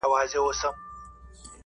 چي توري څڼي پرې راوځړوې_